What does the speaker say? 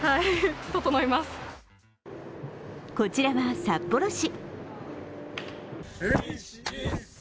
こちらは札幌市。